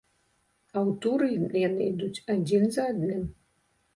А ў туры яны ідуць адзін за адным.